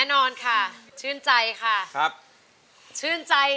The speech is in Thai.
ร้องได้นะ